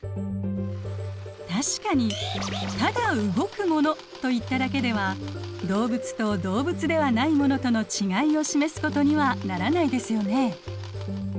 確かにただ動くものといっただけでは動物と動物ではないものとのちがいを示すことにはならないですよね。